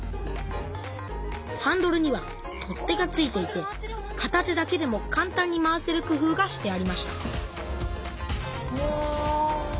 ハンドルには取っ手が付いていてかた手だけでもかん単に回せるくふうがしてありましたうわ。